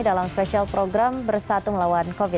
dalam spesial program bersatu melawan covid sembilan belas